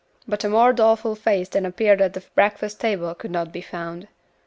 But a more doleful face than appeared at the breakfast table could not be found.